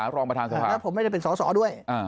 และผมไม่ได้เป็นสอสอด้วย